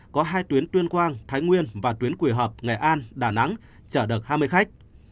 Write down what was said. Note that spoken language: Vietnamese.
có hai tuyến tuyên quang thái nguyên và tuyến quỳ hợp nghệ an đà nẵng chở được hai mươi khách